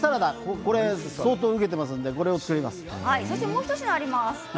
これは相当うけていますのでもう一品あります。